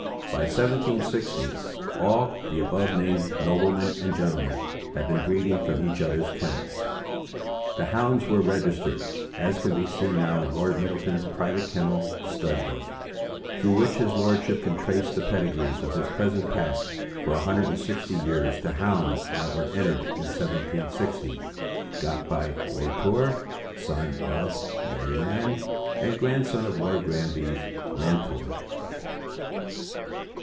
By 1760 all the above named noblemen and gentlemen had been breeding from each other's kennels. The hounds were registered, as can be seen now in Lord Middleton's private kennel stud book, through which his lordship can trace the pedigrees of his present pack for a hundred and sixty years to hounds that were entered in 1760, got by Raytor, son of Merryman and grandson of Lord Granby's Ranter.